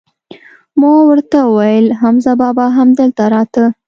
ما ور ته وویل: حمزه بابا هم دلته راته؟